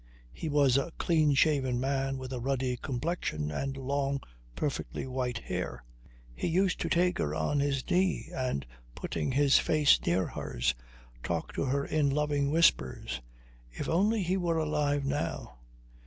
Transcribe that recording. He was a clean shaven man with a ruddy complexion and long, perfectly white hair. He used to take her on his knee, and putting his face near hers, talk to her in loving whispers. If only he were alive now